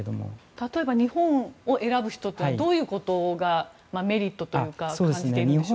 例えば日本を選ぶ人ってどういうことがメリットなどを感じているんでしょうか。